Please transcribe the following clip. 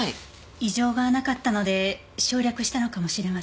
異常がなかったので省略したのかもしれません。